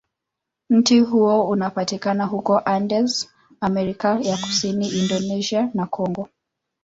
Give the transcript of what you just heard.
Mti huo unapatikana huko Andes, Amerika ya Kusini, Indonesia, na Kongo.